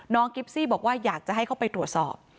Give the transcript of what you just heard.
กิฟซี่บอกว่าอยากจะให้เข้าไปตรวจสอบ